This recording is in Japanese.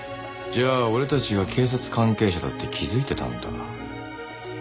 じゃあ俺たちが警察関係者だって気づいてたんだ。